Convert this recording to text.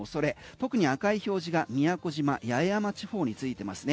特に赤い表示が宮古島八重山地方に付いてますね。